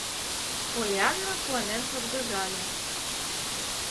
Поллианна куанен шыргыжале.